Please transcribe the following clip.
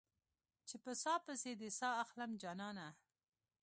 چې په ساه پسې دې ساه اخلم جانانه